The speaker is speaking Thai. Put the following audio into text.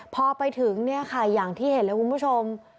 พอไปถึงอย่างที่เห็นแล้วคุณผู้ชม